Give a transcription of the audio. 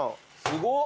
すごっ！